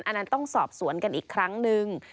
อันนั้นต้องสอบสวนกันอีกครั้งนึง